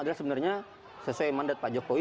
adalah sebenarnya sesuai mandat pak jokowi